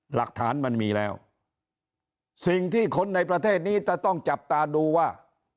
หลักฐานมันมีแล้วสิ่งที่คนในประเทศนี้จะต้องจับตาดูว่า